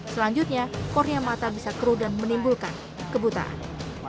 selanjutnya kornia mata bisa keruh dan menimbulkan kebutaan